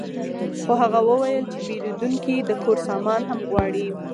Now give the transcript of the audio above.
خو هغه وویل چې پیرودونکی د کور سامان هم غواړي